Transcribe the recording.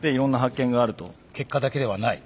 結果だけではない。